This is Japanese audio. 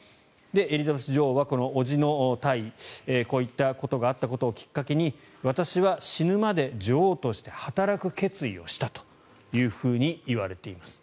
エリザベス女王はこの伯父の退位こういったことがあったことをきっかけに私は死ぬまで女王として働く決意をしたといわれています。